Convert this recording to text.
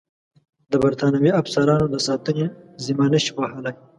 د برټانوي افسرانو د ساتنې ذمه نه شي وهلای.